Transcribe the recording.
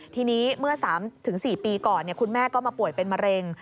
ทีนี้เมื่อ๓๔ปีก่อนคุณแม่ก็มาป่วยเป็นมะเร็ง